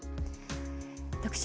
特集